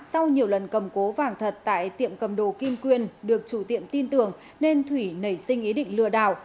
sau nhiều lần cầm cố vàng thật tại tiệm cầm đồ kim quyên được chủ tiệm tin tưởng nên thủy nảy sinh ý định lừa đảo